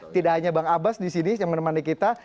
tidak hanya bang abas disini yang menemani kita